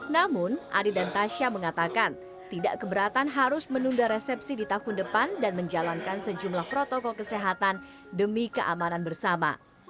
namun adi dan tasha mengatakan tidak keberatan harus menunda resepsi di tahun depan dan menjalankan sejumlah protokol kesehatan demi keamanan bersama